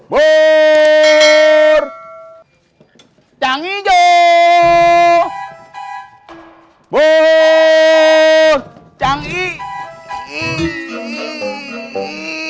burp jangido burp jangido